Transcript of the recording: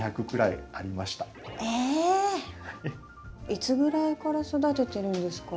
いつぐらいから育ててるんですか？